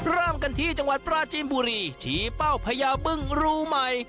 ร่ามกันที่จังหวัดประจินบุรีฉีดเป้าเบิ้งรูใหม่